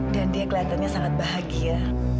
dan dia keliatannya sangat bahagia